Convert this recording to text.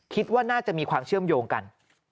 คิดว่าน่าจะมีความเชื่อมโยงกัน